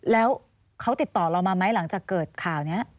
แล้วเขาติดต่อเรามาไหมหลังจากเกิดข่าวนี้